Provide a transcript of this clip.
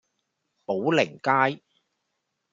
寶靈街